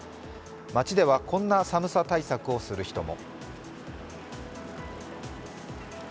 街ではこんな寒さ対策をする人も。